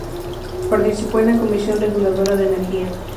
Participó en la Comisión Reguladora de Energía.